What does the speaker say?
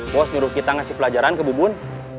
bos nyuruh kita ngasih pelajaran ke bubun